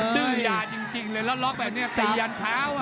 ดื้อยาจริงเลยแล้วล็อกแบบนี้ตียันเช้านะ